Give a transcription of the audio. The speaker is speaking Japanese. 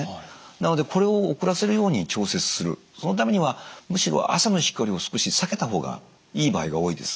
なのでこれを遅らせるように調節するそのためにはむしろ朝の光を少し避けた方がいい場合が多いです。